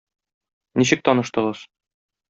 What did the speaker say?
Ничек таныштыгыз?